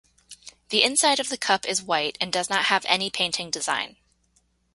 The inside of the cup is white and does not have any painting design.